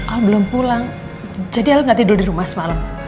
al belum pulang jadi al gak tidur di rumah semalam